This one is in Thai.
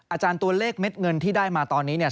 อาจารย์ตัวเลขเม็ดเงินที่ได้มาตอนนี้เนี่ย